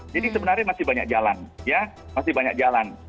jadi sebenarnya masih banyak jalan ya masih banyak jalan